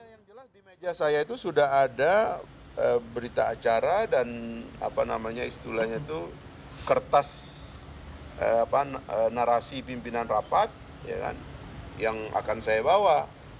yang jelas di meja saya itu sudah ada berita acara dan apa namanya istilahnya itu kertas narasi pimpinan rapat yang akan saya bawa